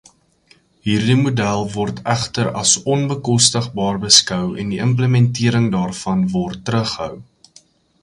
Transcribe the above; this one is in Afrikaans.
Hierdie model word egter as onbekostigbaar beskou en die implementering daarvan word teruggehou.